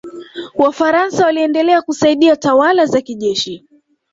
wafaransa waliendelea kusaidia tawala za kijeshi